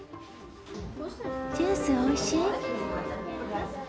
ジュース、おいしい？